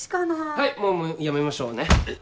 はいもうやめましょうね。うっ！